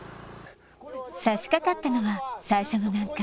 さしかかったのは最初の難関